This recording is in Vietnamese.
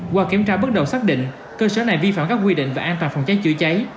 qua kiểm tra bước đầu xác định cơ sở này vi phạm các quy định về an toàn phòng cháy chữa cháy